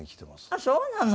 あっそうなの？